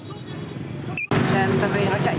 lúc bên trái